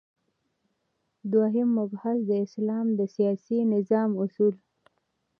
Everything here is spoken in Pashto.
دوهم مبحث : د اسلام د سیاسی نظام اصول